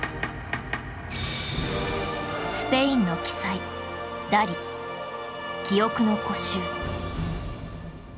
スペインの奇才ダリ『記憶の固執』